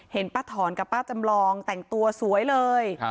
ป้าถอนกับป้าจำลองแต่งตัวสวยเลย